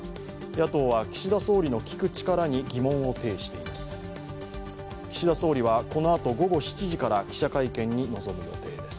野党は岸田総理の聞く力に疑問を呈しています。